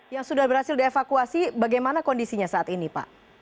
yang sudah berhasil dievakuasi bagaimana kondisinya saat ini pak